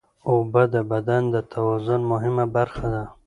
اوبه د بدن د توازن مهمه برخه ده.